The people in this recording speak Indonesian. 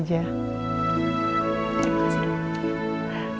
terima kasih dong